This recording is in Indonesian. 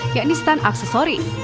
yakni stan aksesoris